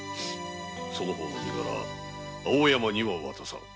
その方の身柄青山には渡さぬ。